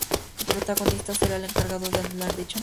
El protagonista será el encargado de anular dicha maldición.